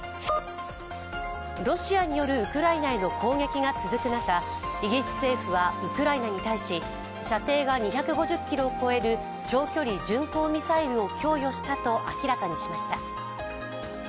ロシアによるウクライナへの攻撃が続く中イギリス政府はウクライナに対し射程が２５０ｋｍを超える長距離巡航ミサイルを供与したと明らかにしました。